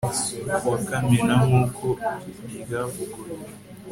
ku wa kamena nk uko ryavuguruwe